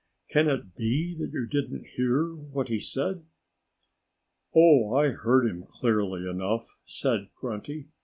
Can it be that you didn't hear what he said?" "Oh, I heard him clearly enough," said Grunty.